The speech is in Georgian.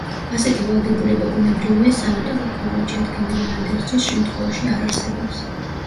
ასეთი ვალდებულება ბუნებრივია სანოტარო ფორმით შედგენილი ანდერძის შემთხვევაში არ არსებობს.